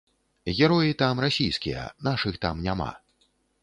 Героі там расійскія, нашых там няма.